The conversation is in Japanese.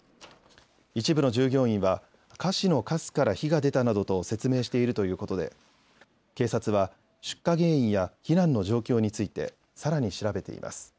一部の従業員は菓子のかすから火が出たなどと説明しているということで警察は出火原因や避難の状況について、さらに調べています。